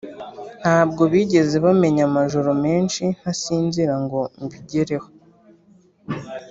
ntabwo bigeze bamenya amajoro menshi ntasinzira ngo mbigereho